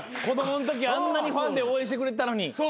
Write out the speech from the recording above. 子供のときあんなにファンで応援してくれてたのに。